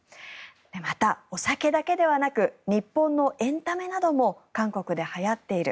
また、お酒だけではなく日本のエンタメなども韓国ではやっている。